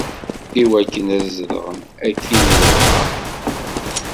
Iwakken ad zedɣeɣ akkin i lebḥer.